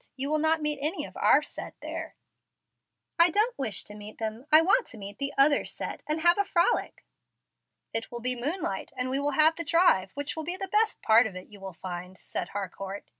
You will not meet any of our 'set' there." "I don't wish to meet them. I want to meet the other 'set' and have a frolic." "It will be moonlight, and we will have the drive, which will be the best part of it, you will find," said Harcourt.